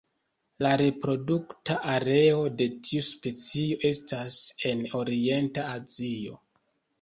La reprodukta areo de tiu specio estas en Orienta Azio.